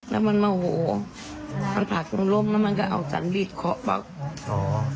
แล้วมันโมโหมันผักลงร่มแล้วมันก็เอาจันทรีย์เคาะบัง